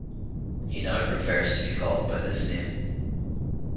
He now prefers to be called by this name.